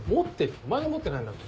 お前が持ってないんだろ。